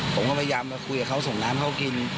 ผมก็พยายามมาคุยกับเขาส่งน้ำเขากิน